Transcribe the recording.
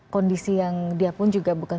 kondisi yang dia pun juga bukan